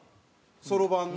そろばんの？